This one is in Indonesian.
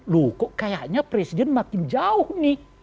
loh kok kayaknya presiden makin jauh nih